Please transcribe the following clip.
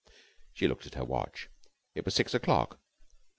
She looked at her watch. It was six o'clock.